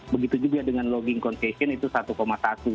begitu juga dengan logging concation itu satu satu